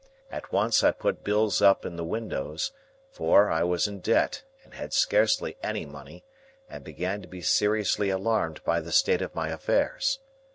At once I put bills up in the windows; for, I was in debt, and had scarcely any money, and began to be seriously alarmed by the state of my affairs.